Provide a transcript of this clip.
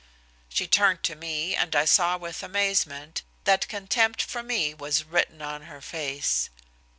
She turned to me, and I saw with amazement that contempt for me was written on her face.